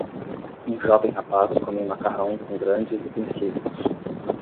Um jovem rapaz come macarrão com grandes utensílios.